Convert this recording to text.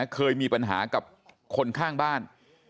เคยมีปัญหากับคนข้างบ้าน